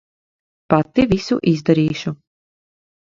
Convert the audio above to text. Pati visu izdarīšu.